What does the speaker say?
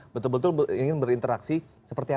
betul betul ingin berinteraksi seperti apa